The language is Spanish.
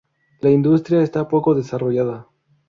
La industria está poco desarrollada.